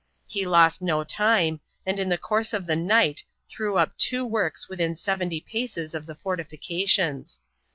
He lost no time, and in the course of the night threw up two works within seventy paces of the fortifications.